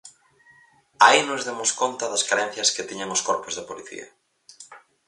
Aí nos demos conta das carencias que tiñan os corpos de policía.